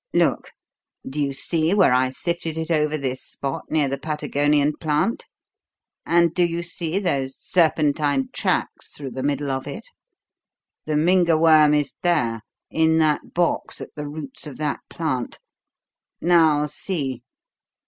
Look! Do you see where I sifted it over this spot near the Patagonian plant? And do you see those serpentine tracks through the middle of it? The Mynga Worm is there in that box, at the roots of that plant. Now see!"